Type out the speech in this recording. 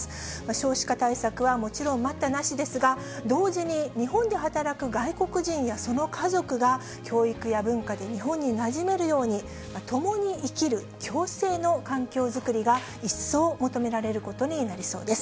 少子化対策はもちろん待ったなしですが、同時に日本で働く外国人やその家族が、教育や文化で日本になじめるように、共に生きる・共生の環境作りが一層求められることになりそうです。